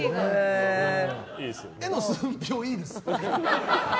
絵の寸評、いいです。